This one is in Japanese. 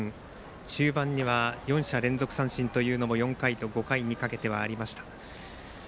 中盤には４者連続三振というのも４回、５回にかけてはありました。